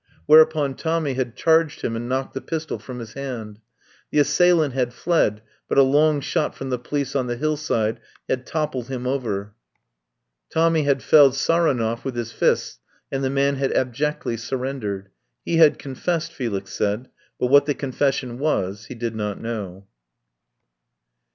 Whereupon Tommy had charged him and knocked the pistol from his hand. The assailant had fled, but a long shot from the police on the hillside had toppled him over. 158 RESTAURANT IN ANTIOCH STREET Tommy had felled Saronov with his fists, and the man had abjectly surrendered. He had confessed, Felix said, but what the confession was he did not know.